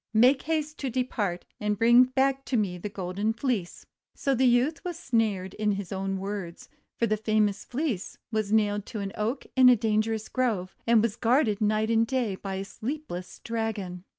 Make haste to depart, and bring back to me the Golden Fleece!" So the youth was snared in his own words; for the famous Fleece was nailed to an Oak in a dangerous Grove, and was guarded night and day by a sleepless Dragon.